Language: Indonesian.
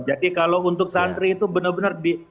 jadi kalau untuk santri itu benar benar